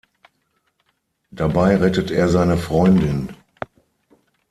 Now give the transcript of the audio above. Dabei rettet er seine Freundin.